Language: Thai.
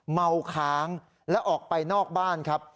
เมาค้างแล้วออกไปนอกบ้านครับ